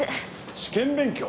試験勉強？